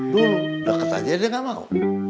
dulu deket aja dia gak mau